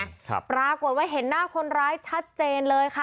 แล้วก็ปรากฏไว้เห็นหน้าคนร้ายชัดเจนเลยค่ะ